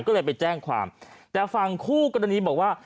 ก็เลยไปแจ้งความแต่ฟังคู่กันตอนนี้บอกว่า